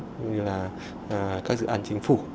cũng như là các dự án chính phủ